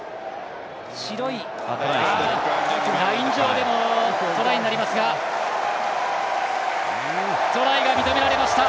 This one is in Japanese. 白いライン上でもトライになりますがトライが認められました。